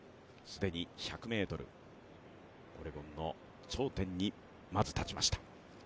既に１００ｍ、オレゴンの頂点にまず立ちました。